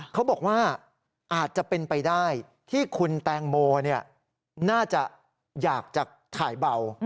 เขาบอกว่าอาจจะเป็นไปได้ที่คุณแตงโมน่าจะอยากจะถ่ายเบา